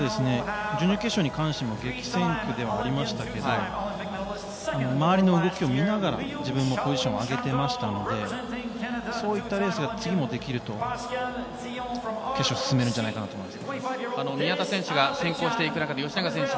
準々決勝に関しては激戦区ではありましたが周りの動きを見ながら自分のポジションを上げていましたのでそういったレースが次もできると決勝に進めるんじゃないかと